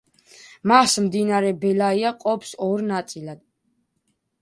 მას მდინარე ბელაია ყოფს ორ ნაწილად.